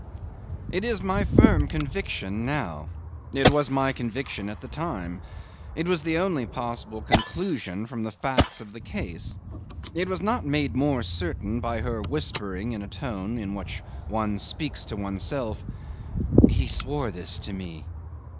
'It is my firm conviction now; it was my conviction at the time; it was the only possible conclusion from the facts of the case. It was not made more certain by her whispering in a tone in which one speaks to oneself, "He swore this to me."